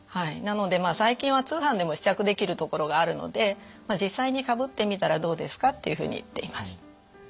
なので最近は通販でも試着できるところがあるので「実際にかぶってみたらどうですか」っていうふうに言っています。